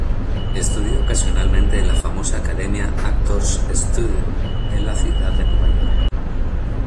Estudió ocasionalmente en la famosa academia Actors Studio en la ciudad de Nueva York.